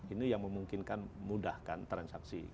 ini yang memungkinkan mudahkan transaksi